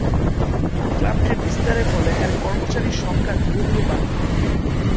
ক্লাবটির বিস্তারের ফলে এর কর্মচারীর সংখ্যা ধীরে ধীরে বাড়তে থাকে।